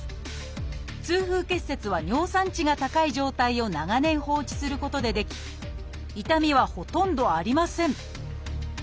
痛風結節は尿酸値が高い状態を長年放置することで出来痛みはほとんどありません。